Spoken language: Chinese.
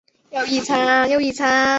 渝北区交通便捷。